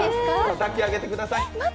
抱き上げてください。